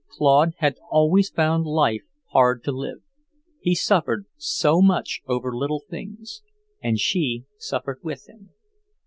Claude had always found life hard to live; he suffered so much over little things, and she suffered with him.